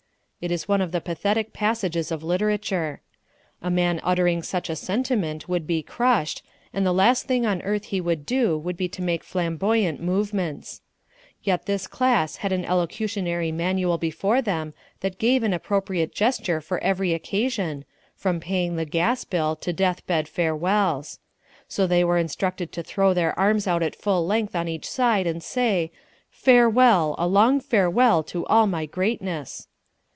It is one of the pathetic passages of literature. A man uttering such a sentiment would be crushed, and the last thing on earth he would do would be to make flamboyant movements. Yet this class had an elocutionary manual before them that gave an appropriate gesture for every occasion, from paying the gas bill to death bed farewells. So they were instructed to throw their arms out at full length on each side and say: "Farewell, a long farewell to all my greatness."